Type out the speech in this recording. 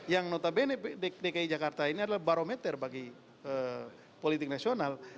yang notabene dki jakarta ini adalah barometer bagi politik nasional